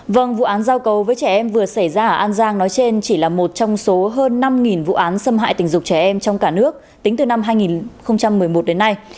vâng vụ án giao cầu với trẻ em vừa xảy ra ở an giang nói trên chỉ là một trong số hơn năm vụ án xâm hại tình dục trẻ em trong cả nước tính từ năm hai nghìn một mươi một đến nay